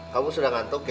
kamu sudah ngantuk ya